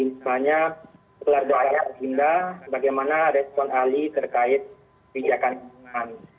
misalnya pelajaran kita bagaimana respon ahli terkait pijakan pindahan